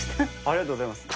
ありがとうございます。